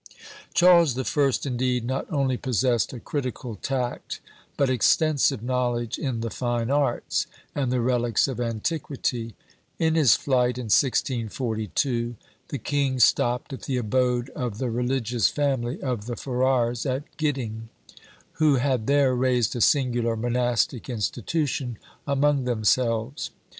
Charles the First, indeed, not only possessed a critical tact, but extensive knowledge in the fine arts, and the relics of antiquity. In his flight in 1642, the king stopped at the abode of the religious family of the Farrars at Gidding, who had there raised a singular monastic institution among themselves.